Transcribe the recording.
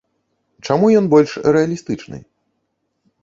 Чаму ён больш рэалістычны?